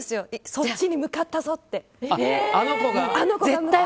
そっちに向かったぞ！